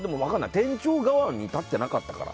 店長側に立ってなかったから。